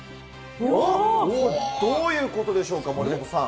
どういうことでしょうか、森本さん。